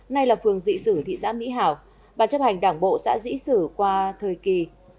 nay là phường dị xử thị xã mỹ hảo và chấp hành đảng bộ xã dị xử qua thời kỳ